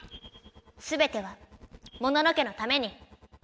すべてはモノノ家のために！